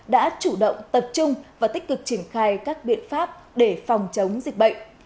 đã chủ động tập trung và tích cực triển khai các biện pháp để phòng chống dịch bệnh